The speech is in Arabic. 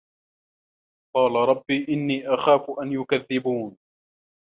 قالَ رَبِّ إِنّي أَخافُ أَن يُكَذِّبونِ